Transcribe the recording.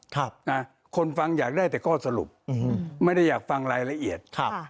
คนฟังอยากได้แต่ข้อสรุปไม่ได้อยากฟังรายละเอียดครับ